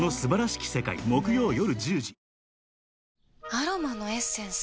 アロマのエッセンス？